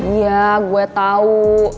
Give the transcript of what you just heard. iya gue tau